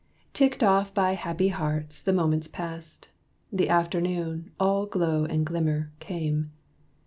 Ticked off by happy hearts, the moments passed. The afternoon, all glow and glimmer, came.